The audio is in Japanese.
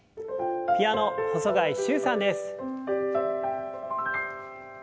ピアノ細貝柊さんです。